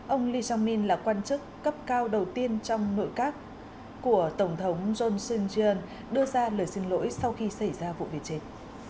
ông lee sang min là quan chức cấp cao đầu tiên trong nội các của tổng thống john seung joon đưa ra lời xin lỗi sau khi xảy ra vụ việc chết